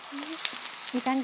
いい感じ。